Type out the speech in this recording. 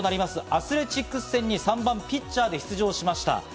アスレチックス戦に３番・ピッチャーで出場しました。